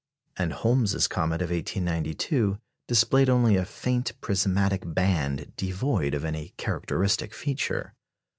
And Holmes's comet of 1892 displayed only a faint prismatic band devoid of any characteristic feature.